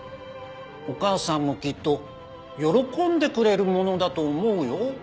お母さんもきっと喜んでくれるものだと思うよ。